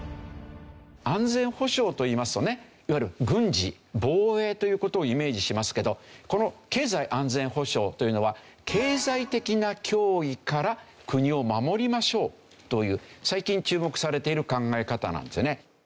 安全保障といいますとねいわゆる軍事防衛という事をイメージしますけどこの経済安全保障というのは経済的な脅威から国を守りましょうという最近注目されている考え方なんですよね。